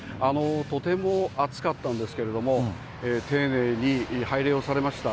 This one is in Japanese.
とても暑かったんですけれども、丁寧に拝礼をされました。